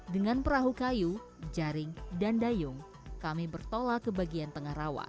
dengan perahu kayu jaring dan dayung kami bertolak ke bagian tengah rawa